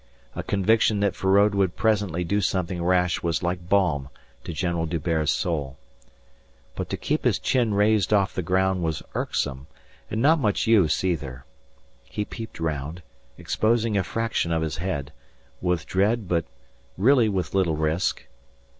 A conviction that Feraud would presently do something rash was like balm to General D'Hubert's soul. But to keep his chin raised off the ground was irksome, and not much use either. He peeped round, exposing a fraction of his head, with dread but really with little risk.